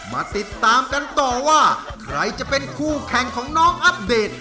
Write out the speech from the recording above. มาติดตามกันต่อว่าใครจะเป็นคู่แข่งของน้องอัปเดต